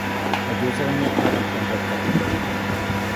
A győzelemért három pontot kaptak a csapatok.